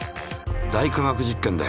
「大科学実験」で。